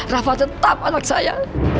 rafa tetap anak saya